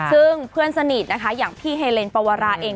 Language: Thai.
ซึ่งเพื่อนสนิทนะคะอย่างพี่เฮเลนปวราเอง